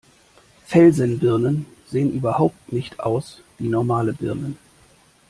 Felsenbirnen sehen überhaupt nicht aus wie normale Birnen.